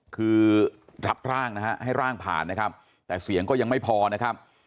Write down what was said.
คือรับร่างนะฮะให้ร่างผ่านนะครับแต่เสียงก็ยังไม่พอนะครับ